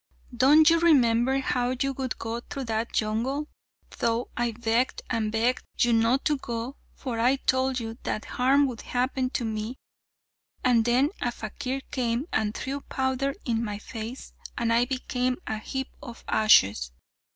Don't you remember how you would go through that jungle, though I begged and begged you not to go, for I told you that harm would happen to me, and then a fakir came and threw powder in my face, and I became a heap of ashes.